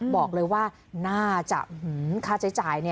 บอกเลยว่าน่าจะค่าใช้จ่าย